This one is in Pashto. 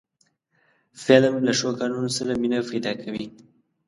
فلم له ښو کارونو سره مینه پیدا کوي